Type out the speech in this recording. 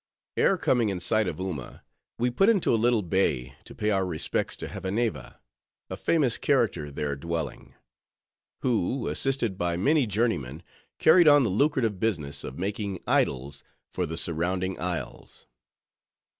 Ere coming in sight of Uma, we put into a little bay, to pay our respects to Hevaneva, a famous character there dwelling; who, assisted by many journeymen, carried on the lucrative business of making idols for the surrounding isles.